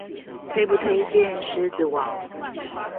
推不推薦獅子王